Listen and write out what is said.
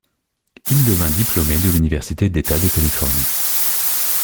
Il devient diplômé de l'université d'État de Californie.